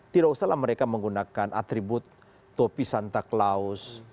tidak usahlah mereka menggunakan atribut topi santa claus